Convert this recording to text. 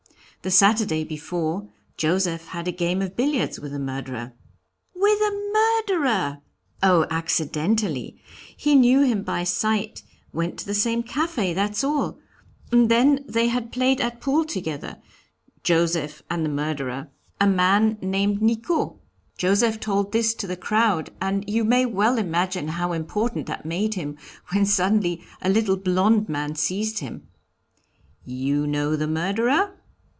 The Saturday before, Joseph had a game of billiards with the murderer." "With the murderer!" "Oh! accidentally he knew him by sight, went to the same café, that's all, and they had played at pool together, Joseph and the murderer a man named Nicot. Joseph told this to the crowd, and you may well imagine how important that made him, when suddenly a little blond man seized him. 'You know the murderer?'